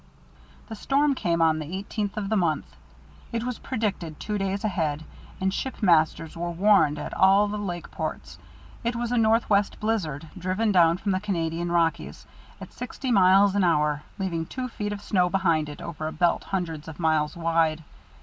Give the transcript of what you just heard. The storm came on the eighteenth of the month. It was predicted two days ahead, and ship masters were warned at all the lake ports. It was a Northwest blizzard, driven down from the Canadian Rockies at sixty miles an hour, leaving two feet of snow behind it over a belt hundreds of miles wide.